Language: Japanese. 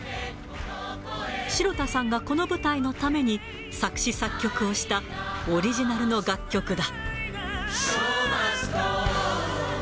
城田さんがこの舞台のために、作詞・作曲をしたオリジナルの楽曲だ。